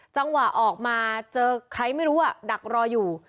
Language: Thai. จังหวะออกมาเจอใครไม่รู้ดักรออยู่